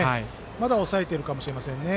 まだ抑えているかもしれませんね。